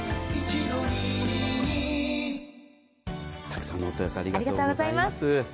たくさんの問い合わせありがとうございます。